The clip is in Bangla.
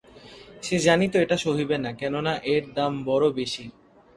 সে জানিত এতটা সহিবে না, কেননা এর দাম বড়ো বেশি।